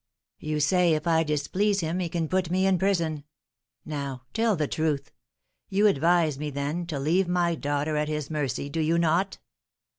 You say, if I displease him, he can put me in prison. Now, tell the truth: you advise me, then, to leave my daughter at his mercy, do you not?"